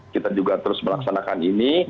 kita juga terus melaksanakan ini